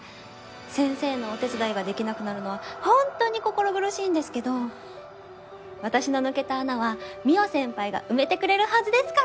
先生のお手伝いができなくなるのは本当に心苦しいんですけど私の抜けた穴は望緒先輩が埋めてくれるはずですから！